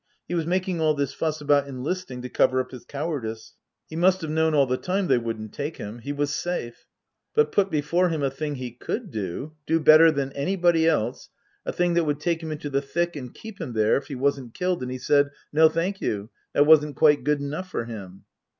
He was making all this fuss about enlisting to cover up his cowardice. He must have known all the time they wouldn't take him. He was safe. But put before him a thing he could do do better than anybody else a thing that would take him into the thick and keep him there, if he wasn't killed, and he said, No, thank you. That wasn't quite good enough for him.